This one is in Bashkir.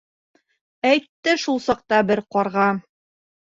Әйтте шул саҡ бер ҡарға: